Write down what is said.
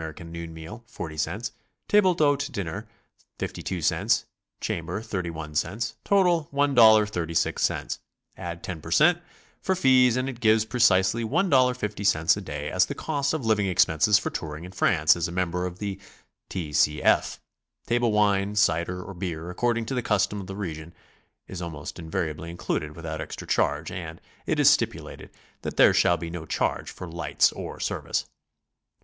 erican noon meal), 40 cts.; table d'hote dinner, 52 cts.; chamber, 31 cts.; total, $1.36. Add 10 per cent, for fees, and it gives pre cisely $1.50 a day as the cost of living expenses for touring in France as a member of the T. C. F. Table wine, cider or beer, according to the custom of the region, is almost in variably included without extra charge, and it is stipulated that there shall be no charge for lights or service.